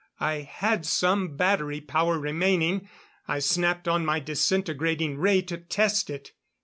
I had some battery power remaining; I snapped on my disintegrating ray to test it.